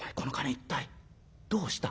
一体どうした？」。